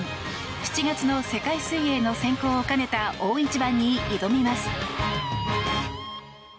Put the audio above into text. ７月の世界水泳の選考を兼ねた大一番に挑みます！